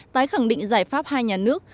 tái khẳng định giải pháp hai nhà nước